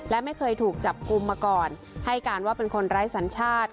และไม่เคยถูกจับกลุ่มมาก่อนให้การว่าเป็นคนไร้สัญชาติ